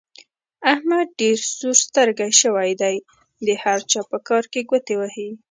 احمد ډېر سور سترګی شوی دی؛ د هر چا په کار کې ګوتې وهي.